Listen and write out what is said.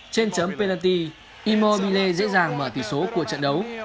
trên chấm penalty immobile dễ dàng mở tỷ số của trận đấu